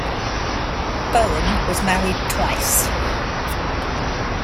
Bowen was married twice.